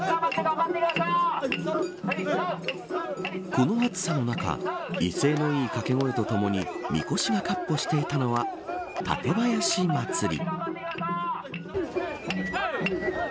この暑さの中威勢のいい掛け声とともにみこしが闊歩していたのは館林まつり。